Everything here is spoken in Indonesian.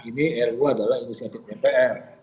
ini ru adalah inisiatif dpr